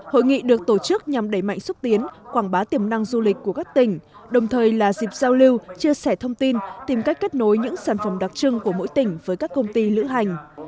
hội nghị được tổ chức nhằm đẩy mạnh xúc tiến quảng bá tiềm năng du lịch của các tỉnh đồng thời là dịp giao lưu chia sẻ thông tin tìm cách kết nối những sản phẩm đặc trưng của mỗi tỉnh với các công ty lữ hành